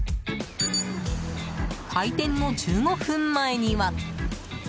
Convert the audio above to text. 開店の１５分前には。